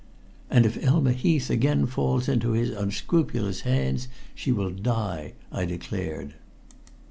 "And if Elma Heath again falls into his unscrupulous hands, she will die," I declared.